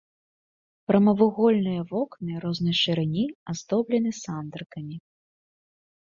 Прамавугольныя вокны рознай шырыні аздоблены сандрыкамі.